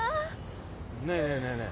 ねえねえねえねえ